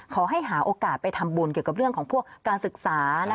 ขอให้หาโอกาสไปทำบุญเกี่ยวกับเรื่องของพวกการศึกษา